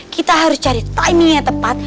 kita harus cari timingnya tepat